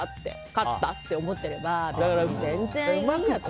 勝った！って思ってれば全然いいやって。